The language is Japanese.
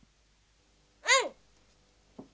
うん！